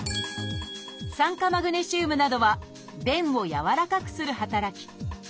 「酸化マグネシウム」などは便をやわらかくする働き。